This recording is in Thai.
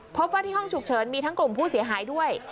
พบว่าที่ห้องฉุกเฉินมีทั้งกลุ่มผู้เสียหายด้วย